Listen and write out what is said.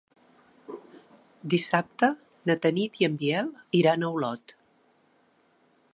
Dissabte na Tanit i en Biel iran a Olot.